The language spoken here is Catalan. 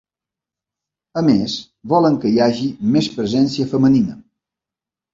A més, volen que hi hagi més presència femenina.